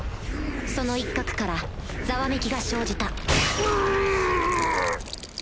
その一角からざわめきが生じたうぅ！